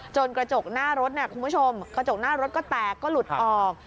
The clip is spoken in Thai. จนกระจกหน้ารถกระจกหน้ารถก็แตกก็หลุดออก